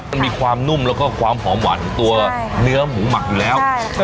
มันมีความนุ่มแล้วก็ความหอมหวานของตัวเนื้อหมูหมักอยู่แล้ว